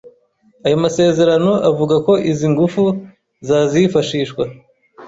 Ayo masezerano avuga ko izi ngufu zazifashishwa